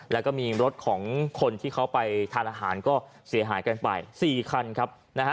แล้วก็มีรถของคนที่เขาไปทานอาหารก็เสียหายกันไป๔คันครับนะฮะ